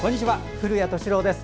古谷敏郎です。